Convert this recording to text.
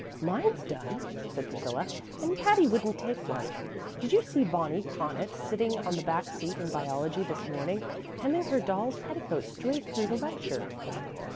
"Mine's done," said Priscilla; "and Patty wouldn't take one. Did you see Bonnie Connaught sitting on the back seat in biology this morning, hemming her doll's petticoat straight through the lecture?"